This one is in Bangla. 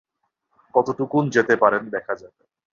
কতটুকু যেতে পারেন দেখা যাবে।